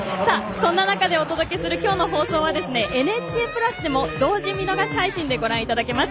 そんな中でお届けする今日の放送は「ＮＨＫプラス」でも同時、見逃し配信でご覧いただけます。